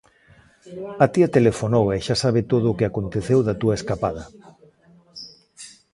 A tía telefonou e xa sabe todo o que aconteceu da túa escapada.